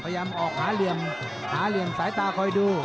พยายามออกหาเหลี่ยมหาเหลี่ยมสายตาคอยดู